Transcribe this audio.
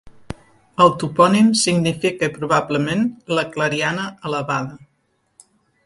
El topònim significa probablement "la clariana elevada".